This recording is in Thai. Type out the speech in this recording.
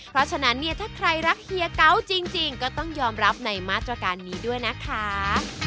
เพราะฉะนั้นเนี่ยถ้าใครรักเฮียเกาจริงก็ต้องยอมรับในมาตรการนี้ด้วยนะคะ